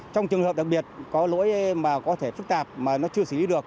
trong trường hợp đặc biệt có lỗi mà có thể phức tạp mà nó chưa xử lý được